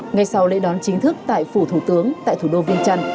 ngay sau lễ đón chính thức tại phủ thủ tướng tại thủ đô vinh trần